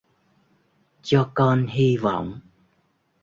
Cho con hi vọng